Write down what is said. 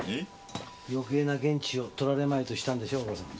余計な言質をとられまいとしたんでしょ大洞さん。